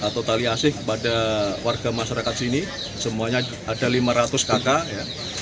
dari proses tali asli kepada warga masyarakat sini semuanya ada lima ratus kakak